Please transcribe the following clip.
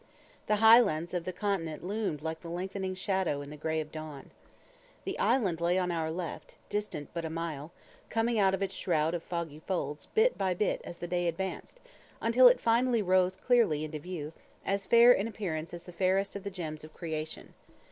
The high lands of the continent loomed like a lengthening shadow in the grey of dawn. The island lay on our left, distant but a mile, coming out of its shroud of foggy folds bit by bit as the day advanced, until it finally rose clearly into view, as fair in appearance as the fairest of the gems of creation.